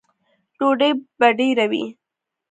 _ډوډۍ به ډېره وي؟